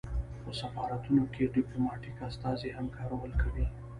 په سفارتونو کې ډیپلوماتیک استازي هم کار کوي